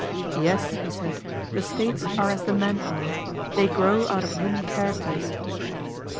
Yes, he said, the States are as the men are; they grow out of human characters.